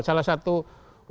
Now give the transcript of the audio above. salah satu usulan untuk